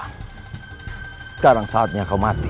hai sekarang saatnya kau mati